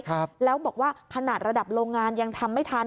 ครับแล้วบอกว่าขนาดระดับโรงงานยังทำไม่ทัน